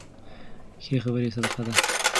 ښې خبرې صدقه ده.